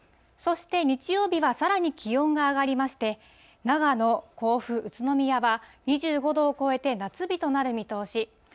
そして、日曜日はさらに気温が上がりまして、長野、甲府、宇都宮は、２５度を超えて夏日となる見通し。